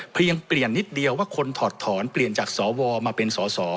เปลี่ยนนิดเดียวว่าคนถอดถอนเปลี่ยนจากสวมาเป็นสอสอ